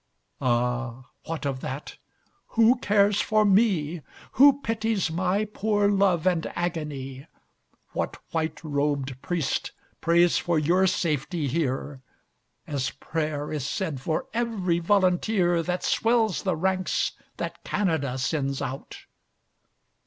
Ah, what of that, who cares for me? Who pities my poor love and agony? What white robed priest prays for your safety here, As prayer is said for every volunteer That swells the ranks that Canada sends out?